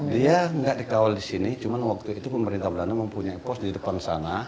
dia nggak dikawal di sini cuma waktu itu pemerintah belanda mempunyai pos di depan sana